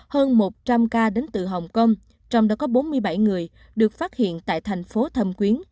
hơn một trăm linh ca đến từ hồng kông trong đó có bốn mươi bảy người được phát hiện tại thành phố thâm quyến